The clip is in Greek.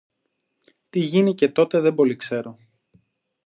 Τι γίνηκε τότε δεν πολυξέρω